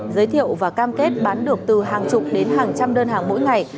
giới thiệu và cam kết bán được từ hàng chục đến hàng trăm đơn hàng mỗi ngày